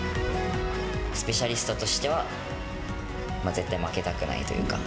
スペシャリストとしては、絶対負けたくないというか。